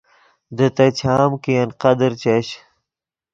دے تے چام کہ ین قدر چش